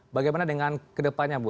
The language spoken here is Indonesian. bagaimana dengan kedepannya bu